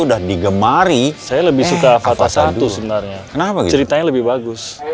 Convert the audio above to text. udah digemari saya lebih suka fata satu sebenarnya kenapa ceritanya lebih bagus